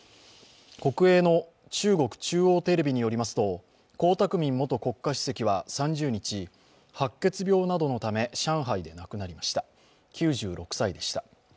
国営の中国中央テレビによりますと、江沢民元国家主席は３０日、白血病などのため、上海で亡くなりました、９６歳でした。